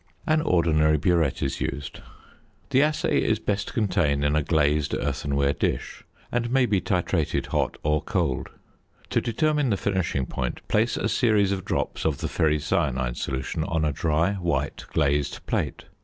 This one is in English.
An ordinary burette is used. The assay is best contained in a glazed earthenware dish, and may be titrated hot or cold. To determine the finishing point, place a series of drops of the ferricyanide solution on a dry white glazed plate.